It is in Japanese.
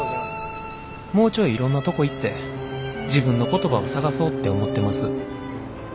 もうちょいいろんなとこ行って自分の言葉を探そうって思ってます」。